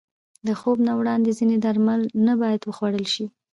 د خوب نه وړاندې ځینې درمل نه باید وخوړل شي.